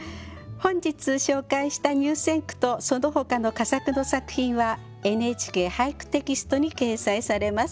本日紹介した入選句とそのほかの佳作の作品は「ＮＨＫ俳句テキスト」に掲載されます。